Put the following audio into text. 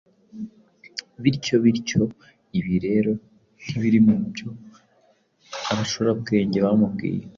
bityo bityo. Ibi rero ntibiri mu byo Abacurabwenge bamubwiye,